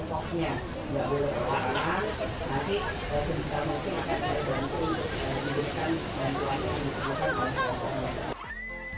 tidak boleh berpakanan tapi sebisa mungkin akan bisa dibantu dan diberikan bantuan yang diperlukan